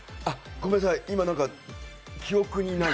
ごめんなさい